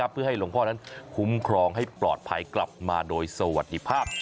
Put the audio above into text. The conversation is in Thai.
เพื่อให้หลวงพ่อนั้นคุ้มครองให้ปลอดภัยกลับมาโดยสวัสดีภาพ